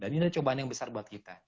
dan ini adalah cobaan yang besar buat kita